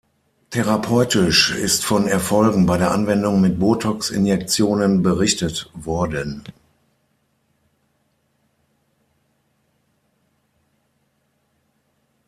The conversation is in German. Therapeutisch ist von Erfolgen bei der Anwendung mit Botox-Injektionen berichtet worden.